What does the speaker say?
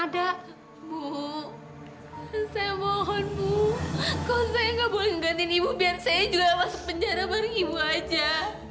dia mau di sini aja